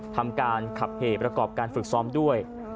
ทำการขับเหประกอบการฝึกซ้อมด้วย